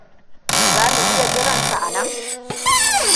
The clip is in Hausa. Za mu iya jiransu anan?